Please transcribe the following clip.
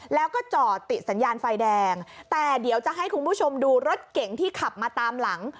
แล้วก็จอดติดสัญญาณไฟแดงแต่เดี๋ยวจะให้คุณผู้ชมดูรถเก่งที่ขับมาตามหลัง